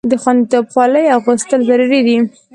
د خوندیتوب خولۍ اغوستل ضروري دي.